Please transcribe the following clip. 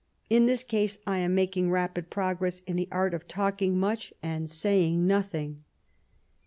In this case, I am making rapid progress in the art of talking much and saying nothing.